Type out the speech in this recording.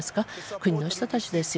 国の人たちですよ。